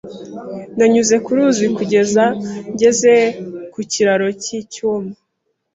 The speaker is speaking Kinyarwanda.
Nanyuze ku ruzi kugeza ngeze ku kiraro cy'icyuma.